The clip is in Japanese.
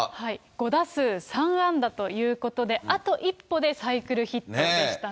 ５打数３安打ということで、あと一歩でサイクルヒットでしたね。